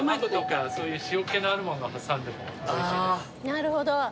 なるほど。